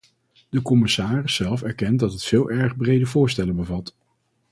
De commissaris zelf erkent dat het veel erg brede voorstellen bevat.